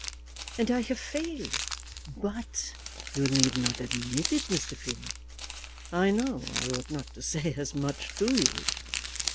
"And I have failed." "But you need not admit it, Mr. Finn. I know I ought not to say as much to you."